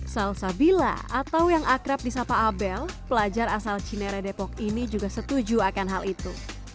salsabila atau yang akrab di sapa abel pelajar asal cinere depok ini juga setuju akan hal itu